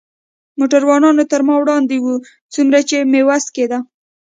موټروانان تر ما وړاندې و، څومره چې مې وس کېده.